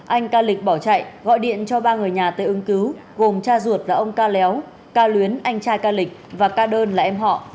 anh ca lịch bỏ chạy gọi điện cho ba người nhà tới ứng cứu gồm cha ruột là ông ca léo ca luyến anh trai ca lịch và ca đơn là em họ